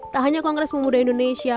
tak hanya kongres pemuda indonesia